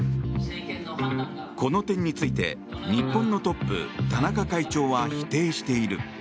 この点について日本のトップ、田中会長は否定している。